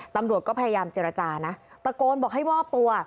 ตำรวจก็พยายามเจรจานะตะโกนบอกให้มอบตัว